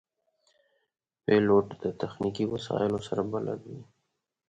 پیلوټ د تخنیکي وسایلو سره بلد وي.